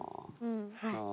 はい。